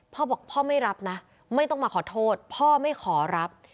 พ่อบอกพ่อไม่รับนะไม่ต้องมาขอโทษพ่อไม่ขอรับ